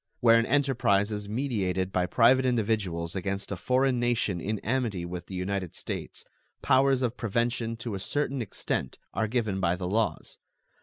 Where an enterprise is meditated by private individuals against a foreign nation in amity with the United States, powers of prevention to a certain extent are given by the laws.